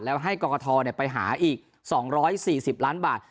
แล้วให้กรกฐไปหาอีก๒๔๐ล้านบาท